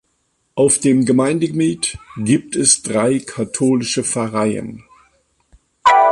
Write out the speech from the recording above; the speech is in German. Auf dem Gemeindegebiet gibt es drei katholische Pfarreien.